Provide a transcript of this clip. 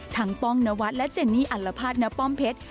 ทั้งป้องนวัตรและเจนนี่อัลลภาษณ์ณป้อมเพชร